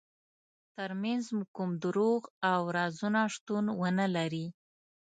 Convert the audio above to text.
ترمنځ مو کوم دروغ او رازونه شتون ونلري.